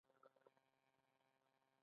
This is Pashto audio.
د کینشاسا په شمال ختیځ کې پلازمېنې ته رسېږي